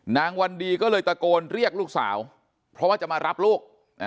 วันดีก็เลยตะโกนเรียกลูกสาวเพราะว่าจะมารับลูก